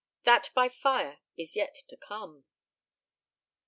That by fire is yet to come."